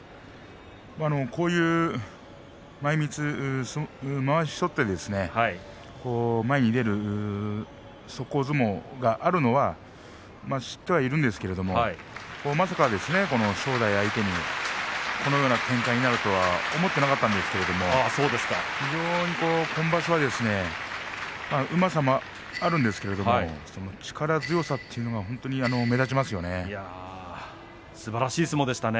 こういうまわしを取って前に出る、速攻相撲があるのは知ってはいるんですけれどもまさか正代相手にこのような展開になるとは思っていなかったんですけれども非常に今場所はうまさもあるんですけれども力強さというのが本当に目立ちますよね。